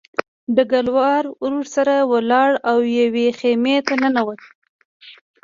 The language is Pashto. ډګروال ورسره لاړ او یوې خیمې ته ننوت